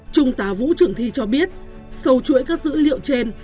trung tá vũ trường thi cho biết sâu chuỗi các dữ liệu trên